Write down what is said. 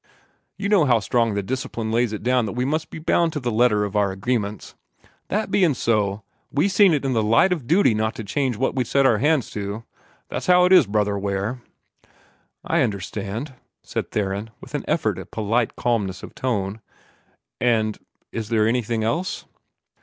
You know how strong the Discipline lays it down that we must be bound to the letter of our agreements. That bein' so, we seen it in the light of duty not to change what we'd set our hands to. That's how it is, Brother Ware." "I understand," said Theron, with an effort at polite calmness of tone. "And is there anything else?"